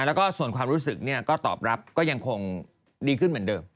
แล้วก็ส่วนความรู้สึกก็ตอบรับก็ยังคงดีขึ้นเหมือนเดิม